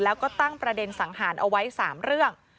แล้วก็ตั้งประเด็นสังหารเอาไว้๓เรื่อง